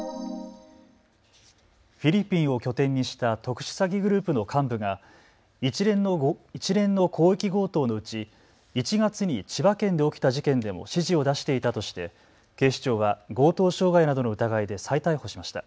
フィリピンを拠点にした特殊詐欺グループの幹部が一連の広域強盗のうち、１月に千葉県で起きた事件でも指示を出していたとして警視庁は強盗傷害などの疑いで再逮捕しました。